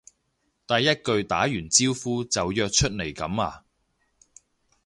第一句打完招呼就約出嚟噉呀？